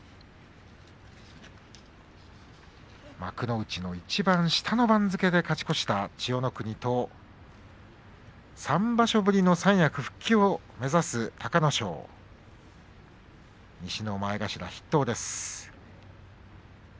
幕内のいちばん下の番付で勝ち越した千代の国と３場所ぶりの三役復帰を目指す隆の勝、西の前頭筆頭です。